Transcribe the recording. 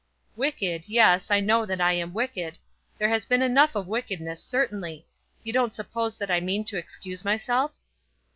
"Wicked; yes, I know that I am wicked. There has been enough of wickedness certainly. You don't suppose that I mean to excuse myself?"